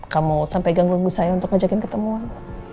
kamu sampai ganggu ganggu saya untuk ngajakin ketemuan